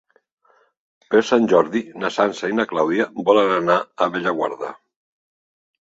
Per Sant Jordi na Sança i na Clàudia volen anar a Bellaguarda.